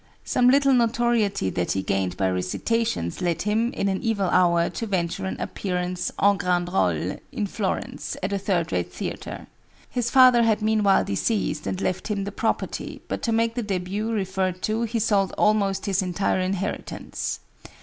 Some little notoriety that he gained by recitations led him, in an evil hour, to venture an appearance en grand role, in Florence, at a third rate theatre. His father had meanwhile deceased and left him the property; but to make the début referred to, he sold almost his entire inheritance.